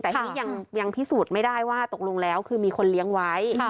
แต่ทีนี้ยังพิสูจน์ไม่ได้ว่าตกลงแล้วคือมีคนเลี้ยงไว้